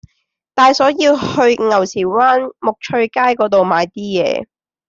大嫂要去牛池灣沐翠街嗰度買啲嘢